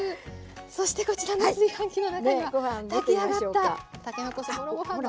そしてこちらの炊飯器の中には炊き上がったたけのこそぼろご飯が。